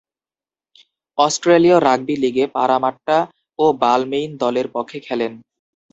অস্ট্রেলীয় রাগবি লীগে পারামাট্টা ও বালমেইন দলের পক্ষে খেলেন।